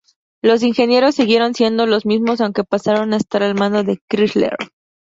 Los ingenieros siguieron siendo los mismos aunque pasaron a estar al mando de Chrysler.